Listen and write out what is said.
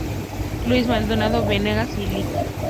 Luis Maldonado Venegas y el Lic.